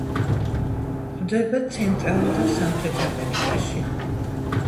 გვხვდება ცენტრალურ და სამხრეთ ამერიკაში.